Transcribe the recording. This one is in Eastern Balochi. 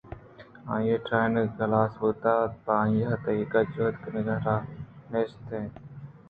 آئی ءِ ہاٹیگ ہلاس بوتگ اَت پر آئی ءَدگہ جہد کنگ ءِ راہے نیست اَت